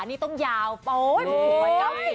ขานี่ต้องยาวโอ๊ยโอ๊ย